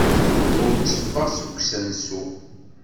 Ur tteffeɣ seg usensu.